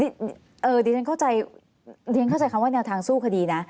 เดี๋ยวฉันเข้าใจคำว่าแนวทางสู้คดีนะ